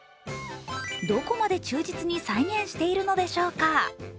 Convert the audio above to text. どこまで忠実に再現しているのでしょうか。